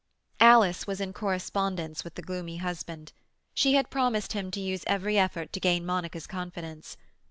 Alice was in correspondence with the gloomy husband. She promised him to use every effort to gain Monica's confidence.